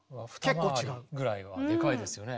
二回りぐらいはでかいですよね。